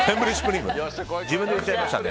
自分で言っちゃいましたね。